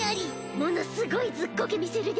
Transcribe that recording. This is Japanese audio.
ものすごいずっこけ見せるで！